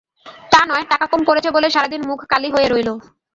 তা নয়, টাকা কম পড়েছে বলে সারাদিন মুখ কালি হয়ে রইল।